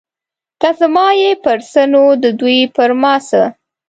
که زما یې پر څه نو د دوی پر ما څه.